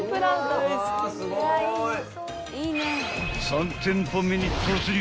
［３店舗目に突入！